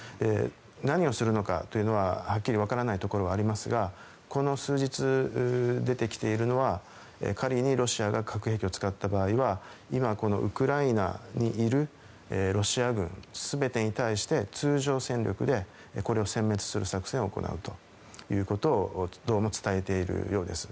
何をするのかというのははっきり分からないところはありますがこの数日出てきているのは仮にロシアが核兵器を使った場合は今ウクライナにいるロシア軍全てに対して通常戦力でこれを、せん滅する作戦を行うということをどうも伝えているようです。